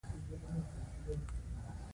د ځنغوزي ونې پیوند غواړي؟